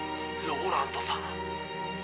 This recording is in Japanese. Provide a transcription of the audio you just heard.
ローランドさん。